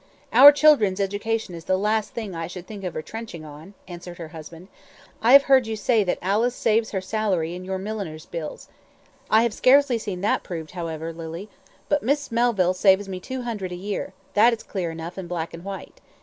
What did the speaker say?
"Our children's education is the last thing I should think of retrenching on," answered her husband. "I have heard you say that Alice saves her salary in your milliners' bills. I have scarcely seen that proved, however, Lily; but Miss Melville saves me two hundred a year that is clear enough, in black and white.